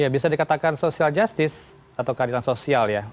bisa dikatakan social justice atau keadilan sosial ya